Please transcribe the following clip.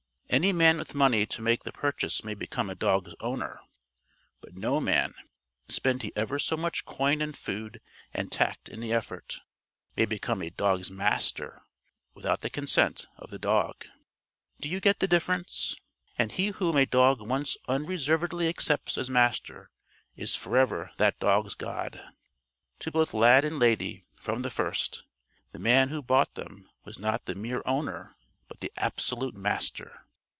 Any man with money to make the purchase may become a dog's owner. But no man spend he ever so much coin and food and tact in the effort may become a dog's Master without the consent of the dog. Do you get the difference? And he whom a dog once unreservedly accepts as Master is forever that dog's God. To both Lad and Lady, from the first, the man who bought them was not the mere owner but the absolute Master.